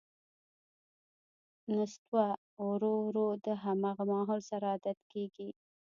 نستوه ورو ـ ورو د همغه ماحول سره عادت کېږي.